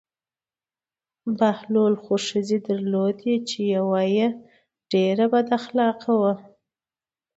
بهلول څو ښځې درلودې چې یوه یې ډېره بد اخلاقه وه.